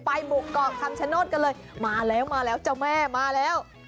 ไปบุกเกาะคำชโนธกันเลยมาแล้วมาแล้วเจ้าแม่มาแล้ว